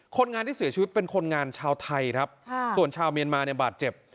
คนงานที่เสียชีวิตเป็นคนงานชาวไทยครับส่วนชาวเมียนมาเนี่ยบาดเจ็บ